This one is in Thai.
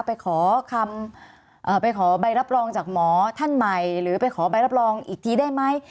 ไปขอคำไปขอใบรับรองจากหมอท่านใหม่หรือไปขอใบรับรองอีกทีได้ไหม